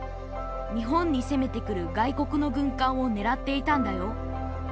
日本に攻めてくる外国の軍艦をねらっていたんだよ。